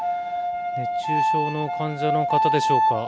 熱中症の患者の方でしょうか。